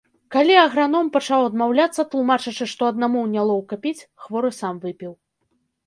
Калі аграном пачаў адмаўляцца, тлумачачы, што аднаму нялоўка піць, хворы сам выпіў.